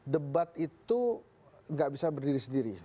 debat itu nggak bisa berdiri sendiri